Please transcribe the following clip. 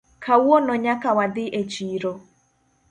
Kawuono nyaka wadhi e chiro